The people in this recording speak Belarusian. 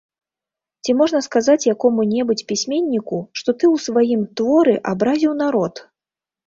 Ці можна сказаць якому-небудзь пісьменніку, што ты ў сваім творы абразіў народ?